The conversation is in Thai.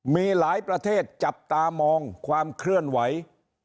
มีหลายประเทศจับตามองความเคลื่อนไหว